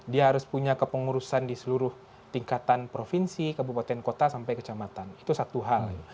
dia harus punya kepengurusan di seluruh tingkatan provinsi kabupaten kota sampai kecamatan itu satu hal